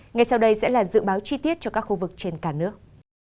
ngay sau đây sẽ là dự báo chi tiết cho các khu vực trên cả nước